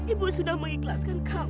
ibu sudah mengikhlaskan kamu